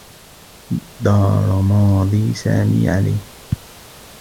دار ماضي سامي عليه.